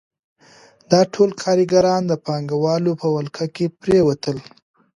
دا ټول کارګران د پانګوالو په ولکه کې پرېوتل